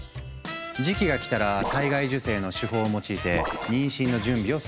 時期が来たら体外受精の手法を用いて妊娠の準備を進めていく。